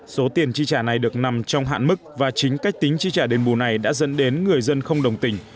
số tiền chi trả này được nằm trong hạn mức và chính cách tính chi trả đền bù này đã dẫn đến người dân không đồng tình